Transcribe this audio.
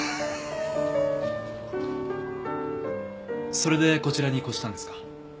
それでこちらに越したんですか？